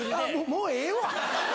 もうええわ。